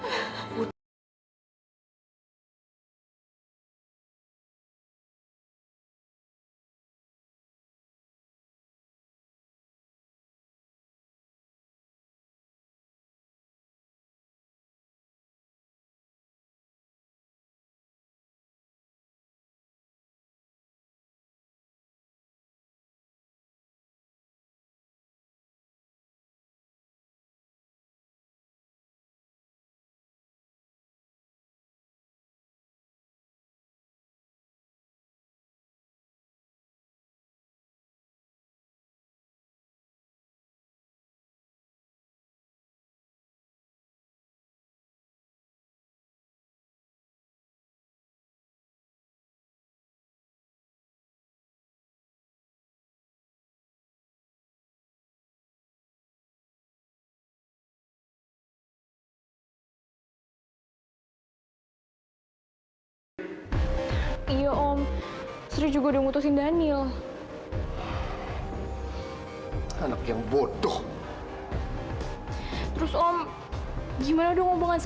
emil kamu kan di janji kalau ini semua tuh cuma sandiwara